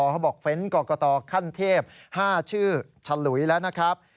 เขาบอกเฟ้นกรกตขั้นเทพ๕ชื่อฉลุยแล้วนะครับ